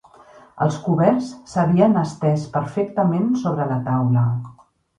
Els coberts s'havien estès perfectament sobre la taula.